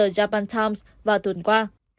của japan times vào tuần qua